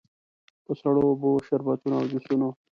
په سړو اوبو، شربتونو او جوسونو.